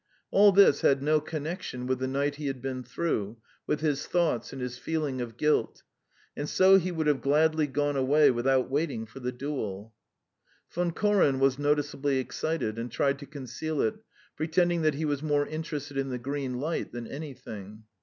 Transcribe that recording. All this had no connection with the night he had been through, with his thoughts and his feeling of guilt, and so he would have gladly gone away without waiting for the duel. Von Koren was noticeably excited and tried to conceal it, pretending that he was more interested in the green light than anything.